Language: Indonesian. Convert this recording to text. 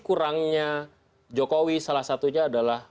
kurangnya jokowi salah satunya adalah